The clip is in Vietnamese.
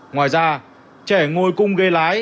ngoài ra trẻ ngồi cùng ghế lái